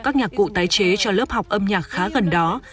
các nhạc cụ tái chế cho lớp học âm nhạc khá gần đó